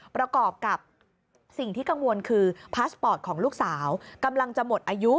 ประกอบกับสิ่งที่กังวลคือพาสปอร์ตของลูกสาวกำลังจะหมดอายุ